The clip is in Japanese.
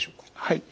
はい。